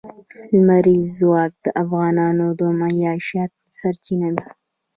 لمریز ځواک د افغانانو د معیشت سرچینه ده.